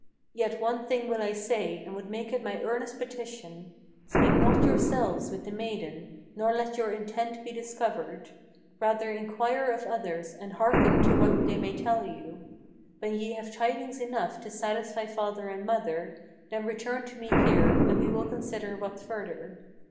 Yet one thing will I say, and would make it my earnest petition, Speak not yourselves with the maiden, nor let your intent be discovered; Rather inquire of others, and hearken to what they may tell you. When ye have tidings enough to satisfy father and mother, Then return to me here, and we will consider what further.